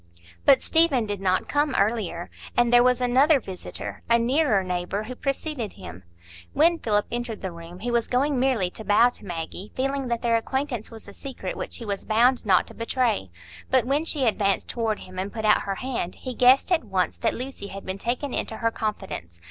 But Stephen did not come earlier, and there was another visitor—a nearer neighbour—who preceded him. When Philip entered the room, he was going merely to bow to Maggie, feeling that their acquaintance was a secret which he was bound not to betray; but when she advanced toward him and put out her hand, he guessed at once that Lucy had been taken into her confidence.